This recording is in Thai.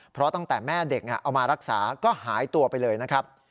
เพราะตั้งแต่แม่เด็กเอามารักษาก็หายตัวไปเลยนะครับ